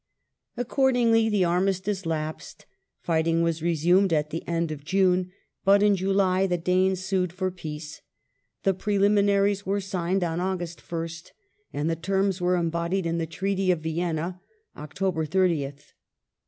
^ Accordingly, the armistice lapsed ; fighting was resumed at the end of June, but in July the Danes sued for peace ; the preliminaries were signed on August 1st, and the terms were embodied in the Treaty of Vienna (Oct. 30th).